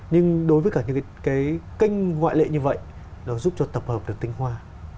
nhưng đối với cả những cái kênh ngoại lệ như vậy nó giúp cho tập hợp được tinh hoa